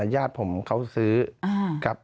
หลังบ้านที่เป็นฝั่งตรงใช่ไหมครับ